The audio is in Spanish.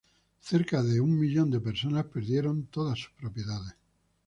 Cerca de un millón de personas perdieron todas sus propiedades.